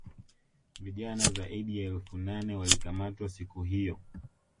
vijana zaidi ya elfu nane walikamatwa siku hiyo